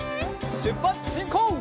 しゅっぱつしんこう！